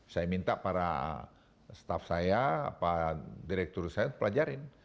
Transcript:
saya minta para staff saya para direktur saya pelajarin